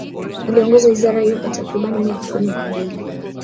Aliongoza wizara hiyo kwa takriban miaka kumi na mbili